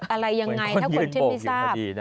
อะไรยังไงถ้าคนที่ไม่ทราบ